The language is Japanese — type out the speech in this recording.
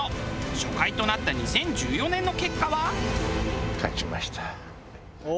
初回となった２０１４年の結果は。